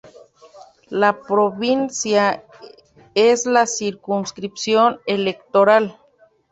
La provincia es la circunscripción electoral.